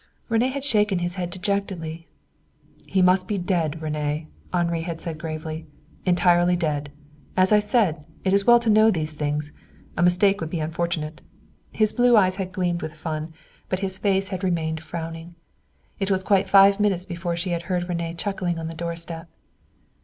René had shaken his head dejectedly. "He must be dead, René," Henri had said gravely. "Entirely dead. As I said, it is well to know these things. A mistake would be unfortunate." His blue eyes had gleamed with fun, but his face had remained frowning. It was quite five minutes before she had heard René chuckling on the doorstep.